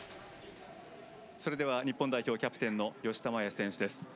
日本代表キャプテン吉田麻也選手です。